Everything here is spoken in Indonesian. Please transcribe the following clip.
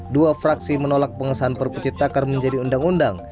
dua fraksi menolak pengesahan perpu cipta kar menjadi undang undang